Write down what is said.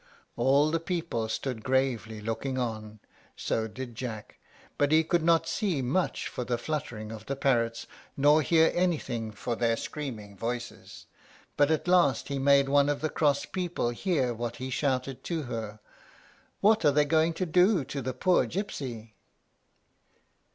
All the people stood gravely looking on. So did Jack, but he could not see much for the fluttering of the parrots, nor hear anything for their screaming voices; but at last he made one of the cross people hear when he shouted to her, "What are they going to do to the poor gypsy?"